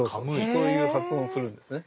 そういう発音をするんですね。